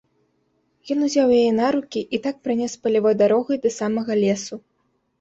Ён узяў яе на рукі і так пранёс палявой дарогай да самага лесу.